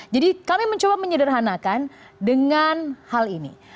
jadi kami mencoba menyederhanakan dengan hal ini